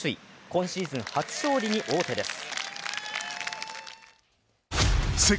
今シーズン初勝利に王手です。